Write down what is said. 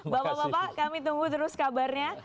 bapak bapak kami tunggu terus kabarnya